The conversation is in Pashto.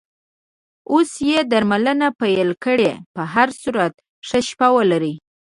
اوس یې درملنه پیل کړې، په هر صورت ښه شپه ولرې.